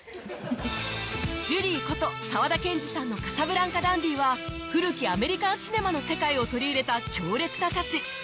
ジュリーこと沢田研二さんの『カサブランカ・ダンディ』は古きアメリカンシネマの世界を取り入れた強烈な歌詞